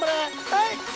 はい！